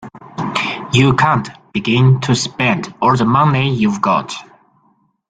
You can't begin to spend all the money you've got.